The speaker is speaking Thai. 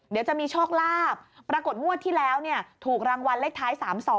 เดี๋ยวจะมีโชคลาภปรากฏงวดที่แล้วถูกรางวัลเลขท้าย๓๒